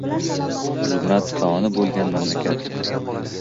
Zumrad koni bo‘lgan mamlakat